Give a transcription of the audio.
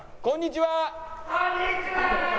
こんにちは！